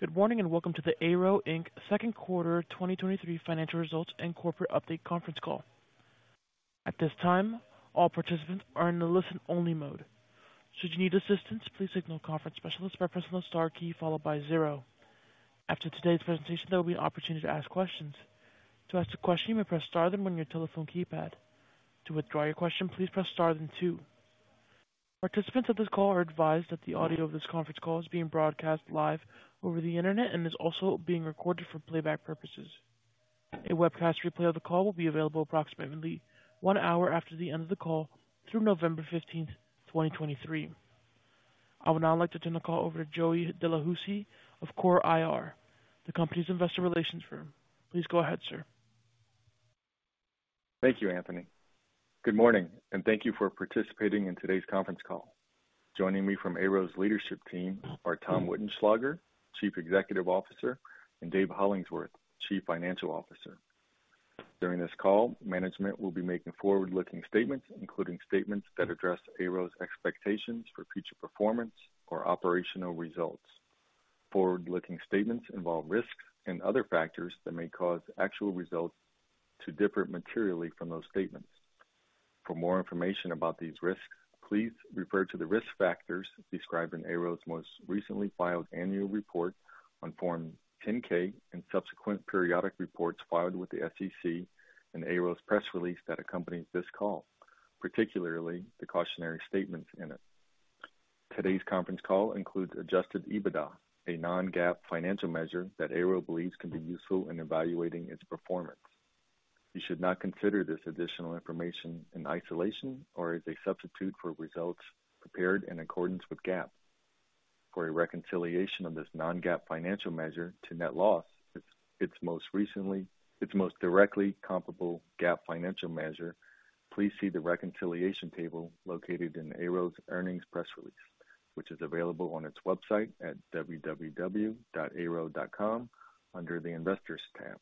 Good morning, welcome to the AYRO Inc Second Quarter 2023 Financial Results and Corporate Update Conference Call. At this time, all participants are in a listen-only mode. Should you need assistance, please signal a conference specialist by pressing the star key followed by zero. After today's presentation, there will be an opportunity to ask questions. To ask a question, you may press star then one on your telephone keypad. To withdraw your question, please press star then two. Participants of this call are advised that the audio of this conference call is being broadcast live over the Internet and is also being recorded for playback purposes. A webcast replay of the call will be available approximately 1 hour after the end of the call through November 15th, 2023. I would now like to turn the call over to Joey Delahoussaye of CORE IR, the company's investor relations firm. Please go ahead, sir. Thank you, Anthony. Good morning, thank you for participating in today's conference call. Joining me from AYRO's leadership team are Tom Wittenschlaeger, Chief Executive Officer, and Dave Hollingsworth, Chief Financial Officer. During this call, management will be making forward-looking statements, including statements that address AYRO's expectations for future performance or operational results. Forward-looking statements involve risks and other factors that may cause actual results to differ materially from those statements. For more information about these risks, please refer to the risk factors described in AYRO's most recently filed annual report on Form 10-K and subsequent periodic reports filed with the SEC and AYRO's press release that accompanies this call, particularly the cautionary statements in it. Today's conference call includes Adjusted EBITDA, a non-GAAP financial measure that AYRO believes can be useful in evaluating its performance. You should not consider this additional information in isolation or as a substitute for results prepared in accordance with GAAP. For a reconciliation of this non-GAAP financial measure to net loss, its most directly comparable GAAP financial measure, please see the reconciliation table located in AYRO's earnings press release, which is available on its website at www.ayro.com under the Investors tab.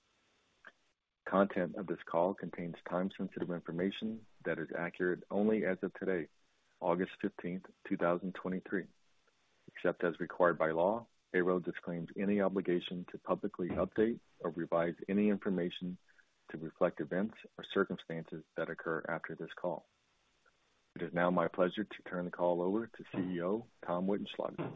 Content of this call contains time-sensitive information that is accurate only as of today, August 15th, 2023. Except as required by law, AYRO disclaims any obligation to publicly update or revise any information to reflect events or circumstances that occur after this call. It is now my pleasure to turn the call over to CEO, Tom Wittenschlaeger.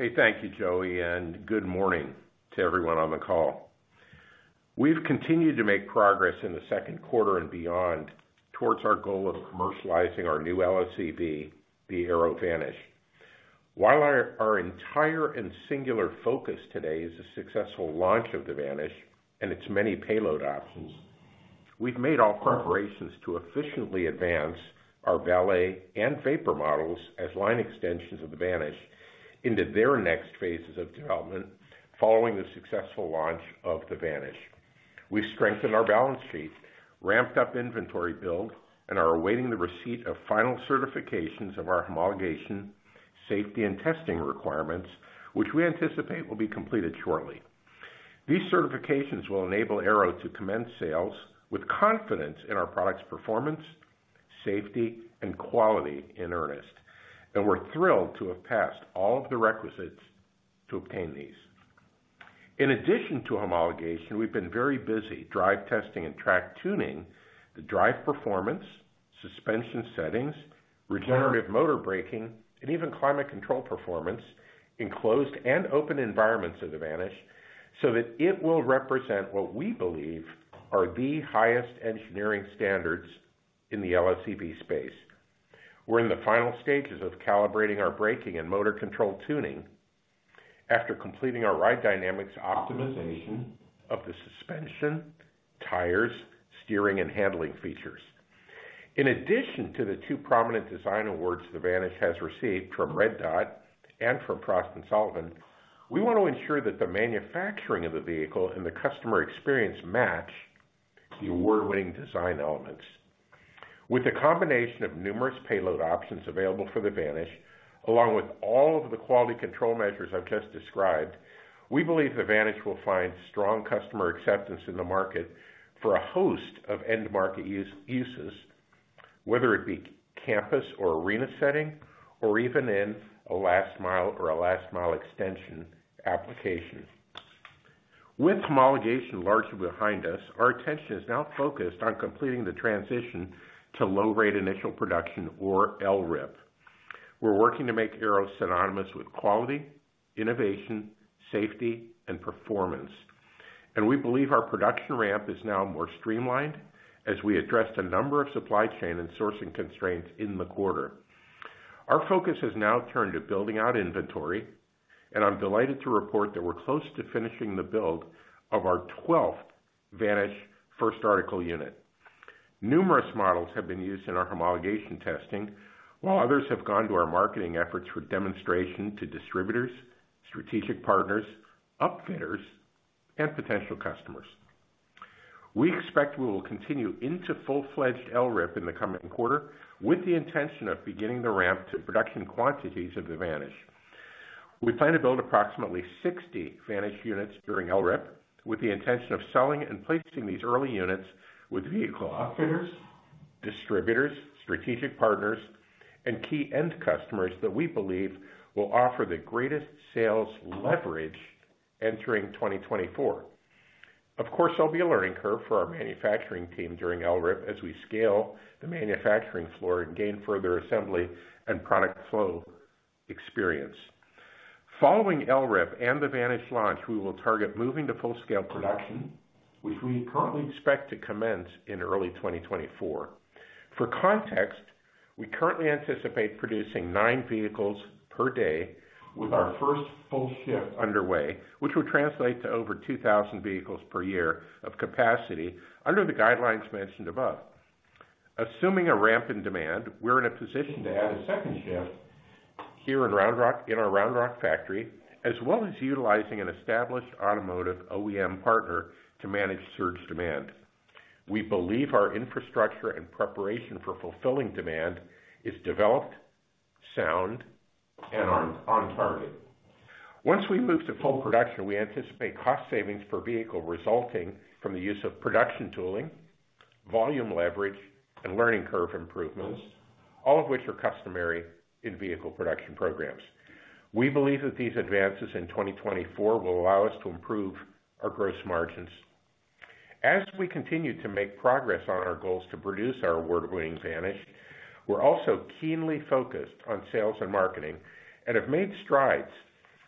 Hey, thank you, Joey. Good morning to everyone on the call. We've continued to make progress in the second quarter and beyond towards our goal of commercializing our new LSEV, the AYRO Vanish. While our, our entire and singular focus today is the successful launch of the Vanish and its many payload options, we've made all preparations to efficiently advance our Valet and Vapor models as line extensions of the Vanish into their next phases of development following the successful launch of the Vanish. We've strengthened our balance sheet, ramped up inventory build, and are awaiting the receipt of final certifications of our homologation, safety, and testing requirements, which we anticipate will be completed shortly. These certifications will enable AYRO to commence sales with confidence in our product's performance, safety, and quality in earnest, and we're thrilled to have passed all of the requisites to obtain these. In addition to homologation, we've been very busy drive testing and track tuning, the drive performance, suspension settings, regenerative motor braking, and even climate control performance, enclosed and open environments of the Vanish, so that it will represent what we believe are the highest engineering standards in the LSEV space. We're in the final stages of calibrating our braking and motor control tuning after completing our ride dynamics optimization of the suspension, tires, steering, and handling features. In addition to the two prominent design awards the Vanish has received from Red Dot and from Frost & Sullivan, we want to ensure that the manufacturing of the vehicle and the customer experience match the award-winning design elements. With the combination of numerous payload options available for the Vanish, along with all of the quality control measures I've just described, we believe the Vanish will find strong customer acceptance in the market for a host of end-market use, uses, whether it be campus or arena setting, or even in a last mile or a last mile extension application. With homologation largely behind us, our attention is now focused on completing the transition to low-rate initial production, or LRIP. We're working to make AYRO synonymous with quality, innovation, safety, and performance. We believe our production ramp is now more streamlined as we address a number of supply chain and sourcing constraints in the quarter. Our focus has now turned to building out inventory. I'm delighted to report that we're close to finishing the build of our twelfth Vanish first article unit. Numerous models have been used in our homologation testing, while others have gone to our marketing efforts for demonstration to distributors, strategic partners, upfitters, and potential customers. We expect we will continue into full-fledged LRIP in the coming quarter with the intention of beginning the ramp to production quantities of the Vanish. We plan to build approximately 60 Vanish units during LRIP, with the intention of selling and placing these early units with vehicle outfitters, distributors, strategic partners, and key end customers that we believe will offer the greatest sales leverage entering 2024. Of course, there'll be a learning curve for our manufacturing team during LRIP as we scale the manufacturing floor and gain further assembly and product flow experience. Following LRIP and the Vanish launch, we will target moving to full-scale production, which we currently expect to commence in early 2024. For context, we currently anticipate producing nine vehicles per day with our first full shift underway, which would translate to over 2,000 vehicles per year of capacity under the guidelines mentioned above. Assuming a ramp in demand, we're in a position to add a second shift here at Round Rock, in our Round Rock factory, as well as utilizing an established automotive OEM partner to manage surge demand. We believe our infrastructure and preparation for fulfilling demand is developed, sound, and on target. Once we move to full production, we anticipate cost savings per vehicle resulting from the use of production tooling, volume leverage, and learning curve improvements, all of which are customary in vehicle production programs. We believe that these advances in 2024 will allow us to improve our gross margins. As we continue to make progress on our goals to produce our award-winning Vanish, we're also keenly focused on sales and marketing and have made strides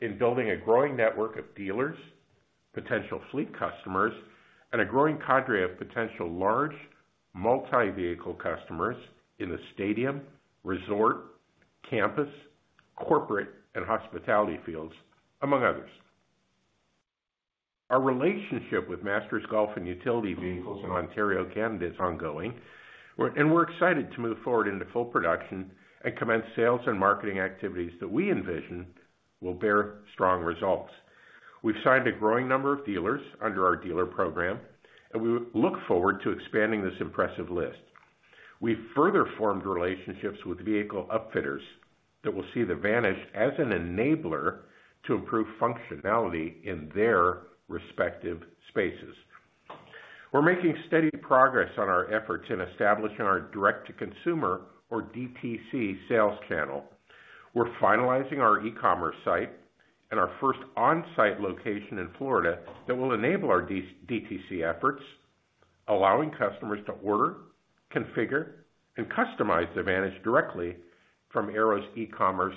in building a growing network of dealers, potential fleet customers, and a growing cadre of potential large multi-vehicle customers in the stadium, resort, campus, corporate, and hospitality fields, among others. Our relationship with Masters Golf and Utility Vehicles in Ontario, Canada, is ongoing. We're excited to move forward into full production and commence sales and marketing activities that we envision will bear strong results. We've signed a growing number of dealers under our dealer program, and we look forward to expanding this impressive list. We've further formed relationships with vehicle upfitters that will see the Vanish as an enabler to improve functionality in their respective spaces. We're making steady progress on our efforts in establishing our direct-to-consumer, or DTC, sales channel. We're finalizing our e-commerce site and our first on-site location in Florida that will enable our DTC efforts, allowing customers to order, configure, and customize the Vanish directly from AYRO's e-commerce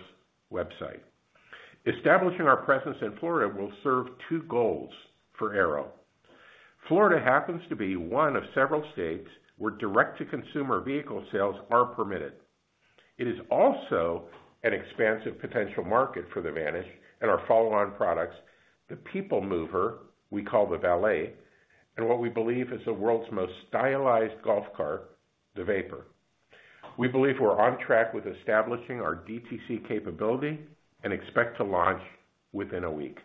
website. Establishing our presence in Florida will serve two goals for AYRO`. Florida happens to be one of several states where direct-to-consumer vehicle sales are permitted. It is also an expansive potential market for the Vanish and our follow-on products, the people mover we call the Valet, and what we believe is the world's most stylized golf cart, the Vapor. We believe we're on track with establishing our DTC capability and expect to launch within 1 week.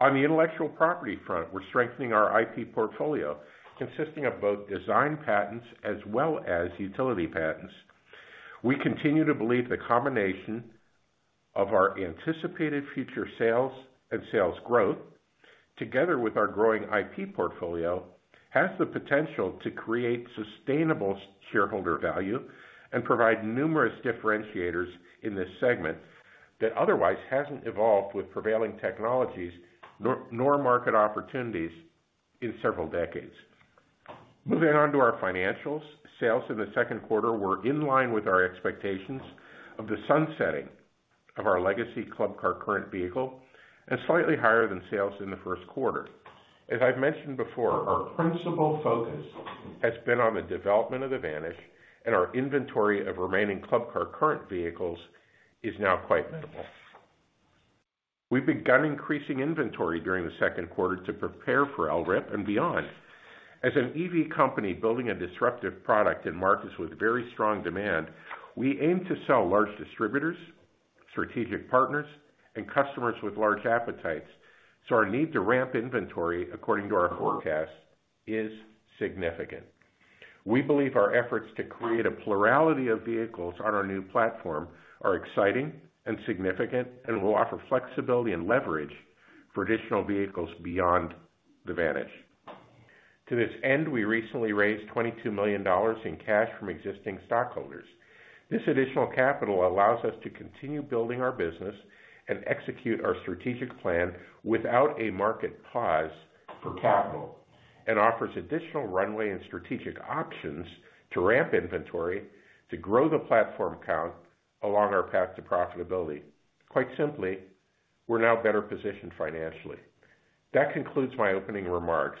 On the intellectual property front, we're strengthening our IP portfolio, consisting of both design patents as well as utility patents. We continue to believe the combination of our anticipated future sales and sales growth, together with our growing IP portfolio, has the potential to create sustainable shareholder value and provide numerous differentiators in this segment that otherwise hasn't evolved with prevailing technologies, nor market opportunities in several decades. Moving on to our financials. Sales in the second quarter were in line with our expectations of the sunsetting of our legacy Club Car Current vehicle and slightly higher than sales in the first quarter. As I've mentioned before, our principal focus has been on the development of the Vanish, and our inventory of remaining Club Car Current vehicles is now quite minimal. We've begun increasing inventory during the second quarter to prepare for LRIP and beyond. As an EV company, building a disruptive product in markets with very strong demand, we aim to sell large distributors, strategic partners, and customers with large appetites, so our need to ramp inventory according to our forecast is significant. We believe our efforts to create a plurality of vehicles on our new platform are exciting and significant and will offer flexibility and leverage for additional vehicles beyond the Vanish. To this end, we recently raised $22 million in cash from existing stockholders. This additional capital allows us to continue building our business and execute our strategic plan without a market pause for capital, and offers additional runway and strategic options to ramp inventory to grow the platform count along our path to profitability. Quite simply, we're now better positioned financially. That concludes my opening remarks.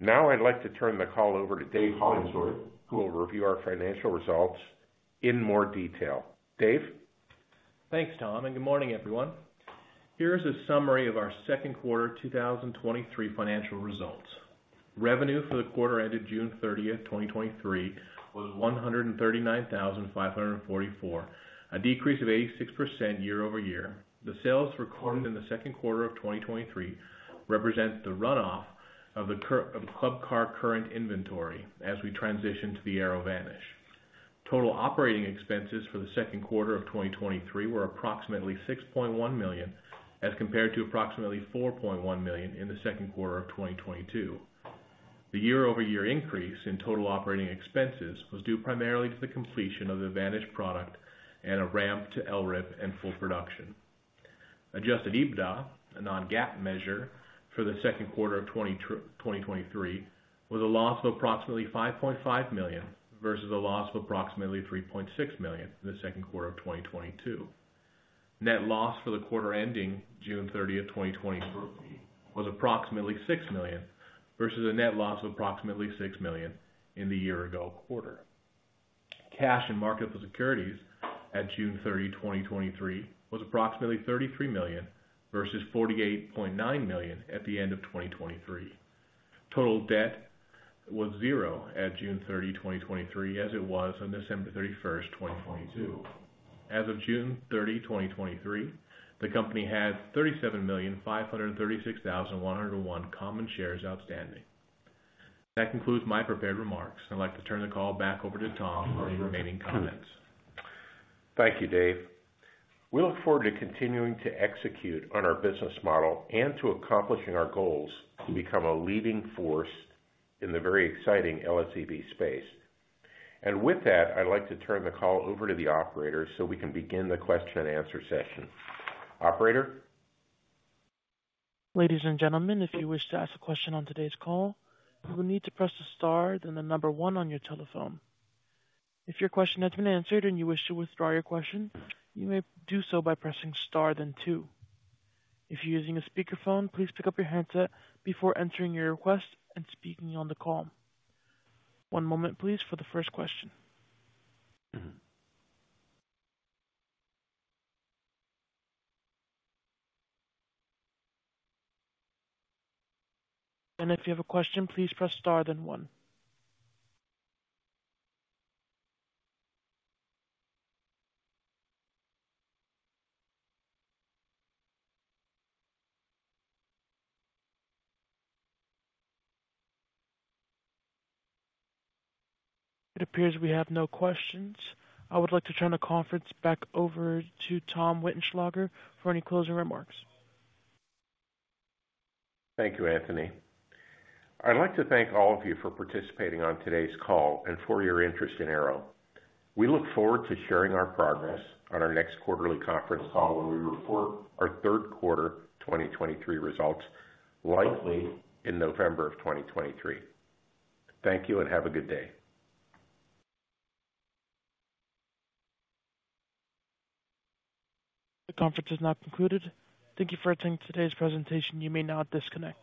Now I'd like to turn the call over to Dave Hollingsworth, who will review our financial results in more detail. Dave? Thanks, Tom, and good morning, everyone. Here is a summary of our second quarter 2023 financial results. Revenue for the quarter ended June 30th, 2023, was $139,544, a decrease of 86% year-over-year. The sales recorded in the second quarter of 2023 represent the runoff of the of Club Car Current inventory as we transition to the AYRO Vanish. Total operating expenses for the second quarter of 2023 were approximately $6.1 million, as compared to approximately $4.1 million in the second quarter of 2022. The year-over-year increase in total operating expenses was due primarily to the completion of the Vanish product and a ramp to LRIP and full production. Adjusted EBITDA, a non-GAAP measure for the second quarter of 2023, was a loss of approximately $5.5 million, versus a loss of approximately $3.6 million in the second quarter of 2022. Net loss for the quarter ending June 30th, 2023, was approximately $6 million, versus a net loss of approximately $6 million in the year ago quarter. Cash and marketable securities at June 30, 2023, was approximately $33 million versus $48.9 million at the end of 2023. Total debt was 0 at June 30, 2023, as it was on December 31st, 2022. As of June 30, 2023, the company had 37,536,101 common shares outstanding. That concludes my prepared remarks. I'd like to turn the call back over to Tom for any remaining comments. Thank you, Dave. We look forward to continuing to execute on our business model and to accomplishing our goals to become a leading force in the very exciting LSEV space. With that, I'd like to turn the call over to the operator, so we can begin the question and answer session. Operator? Ladies and gentlemen, if you wish to ask a question on today's call, you will need to press the star, then the number one on your telephone. If your question has been answered and you wish to withdraw your question, you may do so by pressing star, then two. If you're using a speakerphone, please pick up your handset before entering your request and speaking on the call. One moment, please, for the first question. If you have a question, please press star, then one. It appears we have no questions. I would like to turn the conference back over to Tom Wittenschlaeger for any closing remarks. Thank you, Anthony. I'd like to thank all of you for participating on today's call and for your interest in AYRO. We look forward to sharing our progress on our next quarterly conference call, when we report our third quarter 2023 results, likely in November of 2023. Thank you, and have a good day. The conference is now concluded. Thank you for attending today's presentation. You may now disconnect.